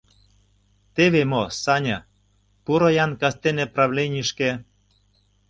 — Теве мо, Саня, пуро-ян кастене правленийышке...